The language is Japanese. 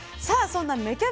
さあそんな芽